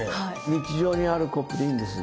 日常にあるコップでいいんです。